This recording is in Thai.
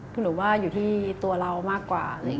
คือหนูว่าอยู่ที่ตัวเรามากกว่า